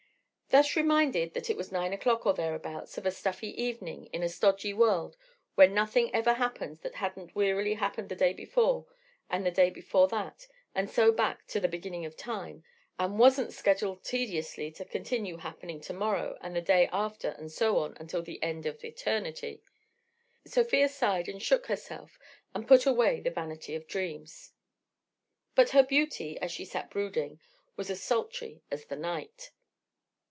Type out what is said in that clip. Thus reminded that it was nine o'clock or thereabouts of a stuffy evening in a stodgy world where nothing ever happened that hadn't wearily happened the day before and the day before that and so back to the beginning of Time, and wasn't scheduled tediously to continue happening to morrow and the day after and so on to the end of Eternity, Sofia sighed and shook herself and put away the vanity of dreams. But her beauty, as she sat brooding, was as sultry as the night.